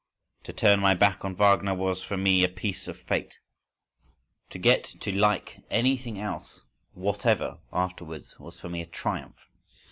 To turn my back on Wagner was for me a piece of fate, to get to like anything else whatever afterwards was for me a triumph.